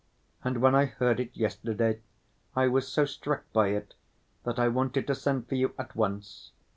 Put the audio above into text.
And when I heard it yesterday, I was so struck by it that I wanted to send for you at once.